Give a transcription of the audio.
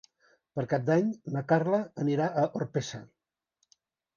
Per Cap d'Any na Carla anirà a Orpesa.